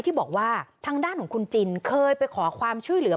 ที่บอกว่าทางด้านของคุณจินเคยไปขอความช่วยเหลือ